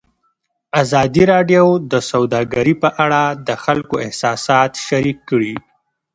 ازادي راډیو د سوداګري په اړه د خلکو احساسات شریک کړي.